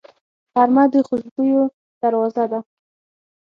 غرمه د خوشبویو دروازه ده